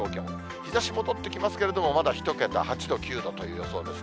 日ざし戻ってきますけれども、まだ１桁、８度、９度という予想ですね。